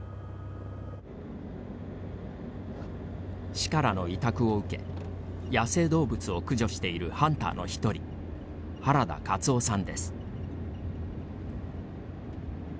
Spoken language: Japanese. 市からの委託を受け野生動物を駆除しているハンターの１人原田勝男さんです。